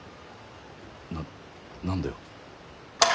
な何だよ？